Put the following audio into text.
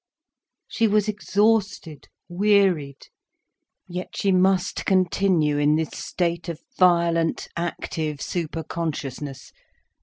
She was exhausted, wearied. Yet she must continue in this state of violent active superconsciousness.